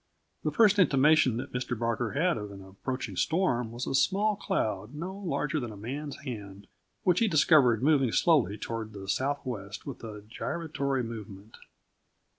The first intimation that Mr. Barker had of an approaching storm was a small cloud no larger than a man's hand which he discovered moving slowly toward the southwest with a gyratory movement.